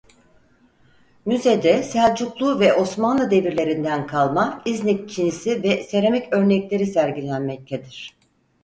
Müzede Selçuklu ve Osmanlı devirlerinden kalma İznik çinisi ve seramik örnekleri sergilenmektedir.